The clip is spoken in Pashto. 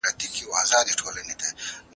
د ناوې او زوم مجلس بايد څنګه پيل سي؟